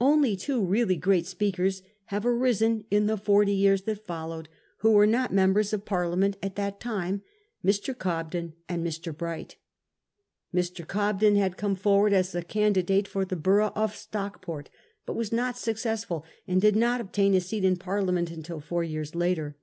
Only two really great speakers have arisen in the forty years that followed, who were not members of Parliament at that time, Mr. Cobden and Mr. Bright. Mr. Cobden had come forward as a candidate for the borough of Stockport, but was not successful, and did not obtain a seat in Parliament until four years after.